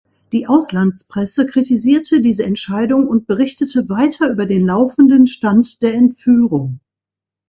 Die Auslandspresse kritisierte diese Entscheidung und berichtete weiter über den laufenden Stand der Entführung.